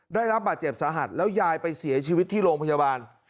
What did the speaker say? ได้รับบาดเจ็บสาหัสแล้วยายไปเสียชีวิตที่โรงพยาบาล